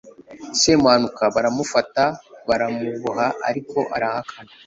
semuhanuka baramufata, baramuboha, ariko arahakana